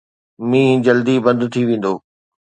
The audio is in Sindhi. مينهن جلدي بند ٿي ويندو.